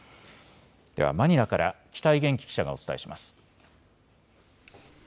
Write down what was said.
ではマニラから北井元気記者がお伝えします。